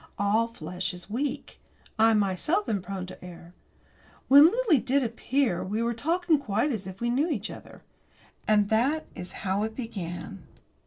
All flesh is weak. I myself am prone to err. When Lily did appear, we were talking quite as if we knew each other. And that is how it began.